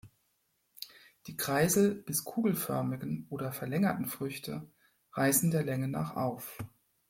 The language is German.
Die kreisel- bis kugelförmigen oder verlängerten Früchte reißen der Länge nach auf.